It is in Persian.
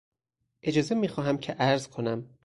اجازه میخواهم که عرض کنم...